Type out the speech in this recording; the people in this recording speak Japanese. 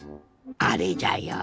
あれじゃよ